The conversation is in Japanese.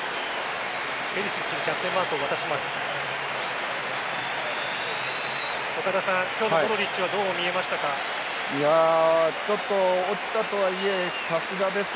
ペリシッチにキャプテンマークを渡します。